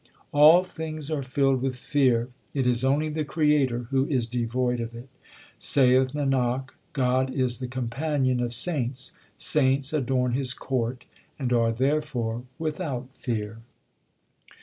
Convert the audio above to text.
All things are filled with fear it is only the Creator who is devoid of it. Saith Nanak, God is the Companion of saints ; saints adorn His court, 2 and are therefore without fear.